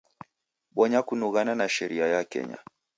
Bonya kunughana na sheria ya Kenya.